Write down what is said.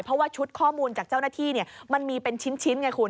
เพราะว่าชุดข้อมูลจากเจ้าหน้าที่มันมีเป็นชิ้นไงคุณ